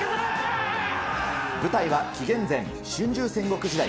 舞台は紀元前、春秋戦国時代。